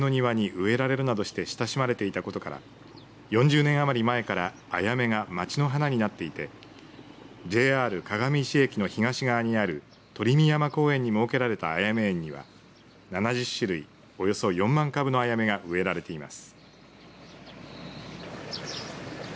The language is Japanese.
鏡石町では古くから野山に自生し多くの家の庭に植えられるなどして親しまれていたことから４０年余り前からアヤメが町の花になっていてＪＲ鏡石駅の東側にある鳥見山公園に設けられたアヤメ園には７０種類およそ４万株のアヤメが植えられています。